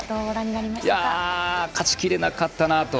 勝ちきれなかったなと。